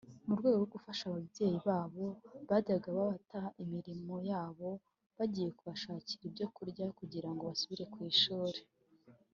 mu rwego rwo gufasha ababyeyi babo bajyaga bata imirimo yabo bagiye kubashakira ibyo barya kugirango basubire ku ishuri